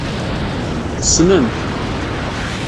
Ssnen-t.